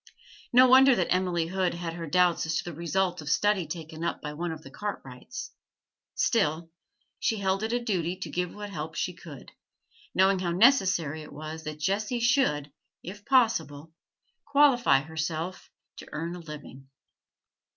No wonder that Emily Hood had her doubts as to the result of study taken up by one of the Cartwrights. Still, she held it a duty to give what help she could, knowing how necessary it was that Jessie should, if possible, qualify herself to earn a living.